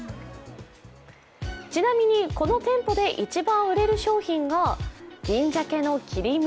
ちなみにこの店舗で一番売れる商品が銀じゃけの切り身。